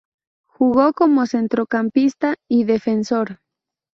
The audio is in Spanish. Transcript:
Jugó como centrocampista y defensor.